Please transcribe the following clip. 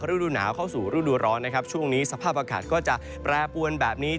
ฤดูหนาวเข้าสู่ฤดูร้อนนะครับช่วงนี้สภาพอากาศก็จะแปรปวนแบบนี้